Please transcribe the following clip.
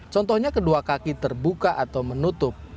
contohnya kedua kaki terbuka atau menutup